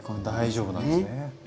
大丈夫なんですね。